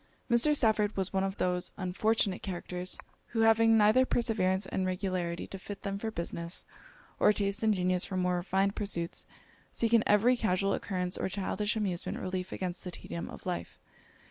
Mr. Stafford was one of those unfortunate characters, who having neither perseverance and regularity to fit them for business, or taste and genius for more refined pursuits, seek, in every casual occurrence or childish amusement, relief against the tedium of life.